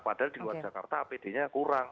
padahal di luar jakarta apd nya kurang